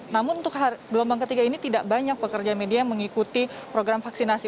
namun untuk gelombang ketiga ini tidak banyak pekerja media yang mengikuti program vaksinasi